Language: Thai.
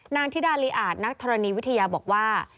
ธิดาลีอาจนักธรณีวิทยาบอกว่า